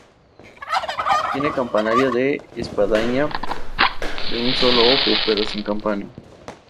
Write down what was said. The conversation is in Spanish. Tiene campanario de espadaña de un solo ojo, pero sin campana.